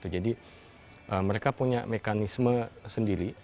jadi mereka punya mekanisme sendiri